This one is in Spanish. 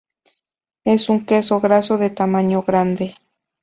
Es un queso graso de tamaño grande.